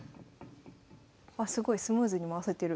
あすごいスムーズに回せてる。